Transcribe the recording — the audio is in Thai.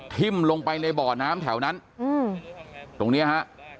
ทิ้มลงไปในบ่อน้ำแถวนั้นตรงเนี้ยฮะ